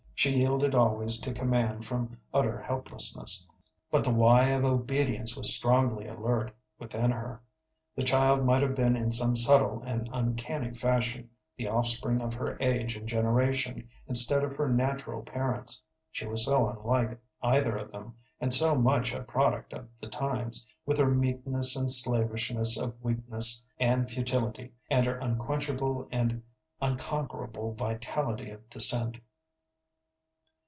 She yielded always to command from utter helplessness, but the why of obedience was strongly alert within her. The child might have been in some subtle and uncanny fashion the offspring of her age and generation instead of her natural parents, she was so unlike either of them, and so much a product of the times, with her meekness and slavishness of weakness and futility, and her unquenchable and unconquerable vitality of dissent.